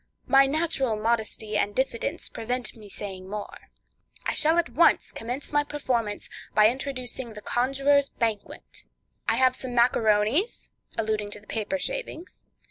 My natural modesty and diffidence prevent my saying more. I shall at once commence my performance by introducing the Conjuror's Banquet. I have some macaronies (alluding to the paper shavings).